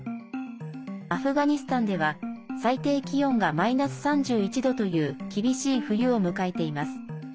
アフガニスタンでは最低気温がマイナス３１度という厳しい冬を迎えています。